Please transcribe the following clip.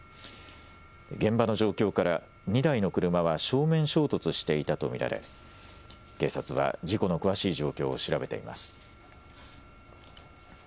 現場の状況から２台の車は正面衝突していたと見られ警察は事故の詳しい状況を調べています。